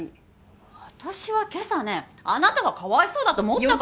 私は今朝ねあなたがかわいそうだと思ったから。